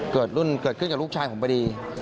เกิดขึ้นกับลูกชายผมพอดี